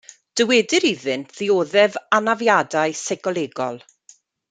Dywedir iddynt ddioddef anafiadau seicolegol.